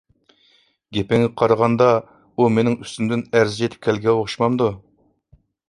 گېپىڭگە قارىغاندۇ ئۇ مېنىڭ ئۈستۈمدىن ئەرز ئېيتىپ كەلگەن ئوخشىمامدۇ؟